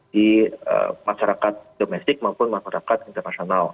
di masyarakat domestik maupun masyarakat internasional